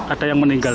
ada yang meninggal